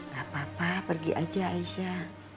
gak apa apa pergi aja aisyah